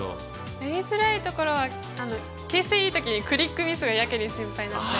やりづらいところは形勢いい時にクリックミスがやけに心配になったり。